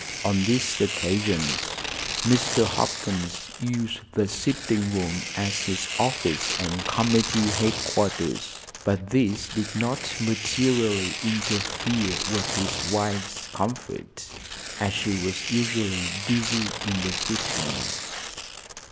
On these occasions Mr. Hopkins used the sitting room as his office and committee headquarters, but this did not materially interfere with his wife's comfort, as she was usually busy in the kitchen.